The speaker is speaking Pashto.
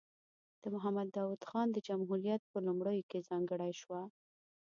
د محمد داود خان د جمهوریت په لومړیو کې ځانګړې شوه.